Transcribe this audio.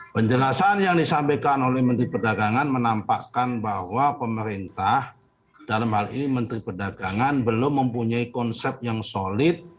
penjelasan yang disampaikan oleh menteri perdagangan menampakkan bahwa pemerintah dalam hal ini menteri perdagangan belum mempunyai konsep yang solid